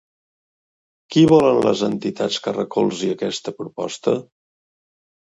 Qui volen les entitats que recolzi aquesta proposta?